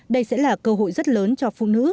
đây sẽ là cơ hội rất lớn cho phụ nữ